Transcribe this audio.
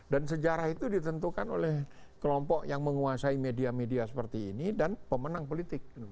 dan sejarah itu ditentukan oleh kelompok yang menguasai media media seperti ini dan pemenang politik